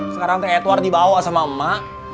sekarang teh edward dibawa sama emak